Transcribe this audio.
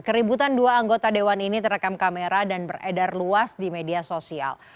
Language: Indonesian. keributan dua anggota dewan ini terekam kamera dan beredar luas di media sosial